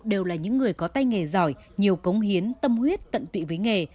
đều là những người có tay nghề giỏi nhiều cống hiến tâm huyết tận tụy với nghề